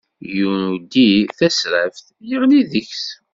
Yuddi tasraft yeɣli deg-s